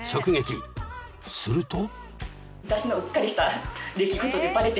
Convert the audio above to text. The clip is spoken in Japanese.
［すると］